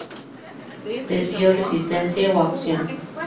Desvío: Resistencia o Acción.